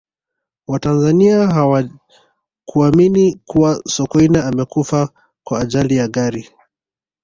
watanzania hawakuamini kuwa sokoine amekufa kwa ajali ya gari